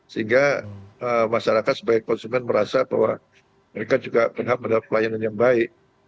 sehingga masyarakat sebagai konsumen merasa bahwa mereka juga berhak mendapat pelayanan yang baik